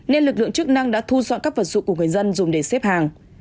nên lực lượng chức năng đã thu dọn các vật dụng của người dân dùng để xếp hàng